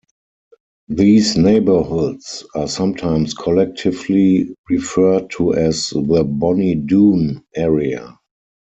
These neighbourhoods are sometimes collectively referred to as the Bonnie Doon area.